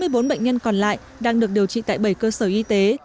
bốn mươi bốn bệnh nhân còn lại đang được điều trị tại bảy cơ sở y tế